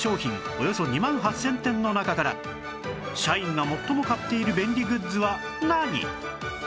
およそ２万８０００点の中から社員が最も買っている便利グッズは何？